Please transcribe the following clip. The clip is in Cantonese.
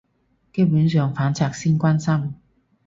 基本上反賊先關心